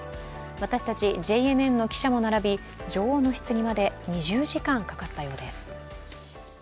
私たちＪＮＮの記者も並び、女王のひつぎまで２０時間かかったようです。